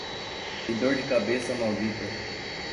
Que dor de cabeça maldita.